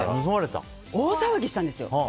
大騒ぎしたんですよ。